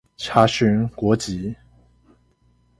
查詢國籍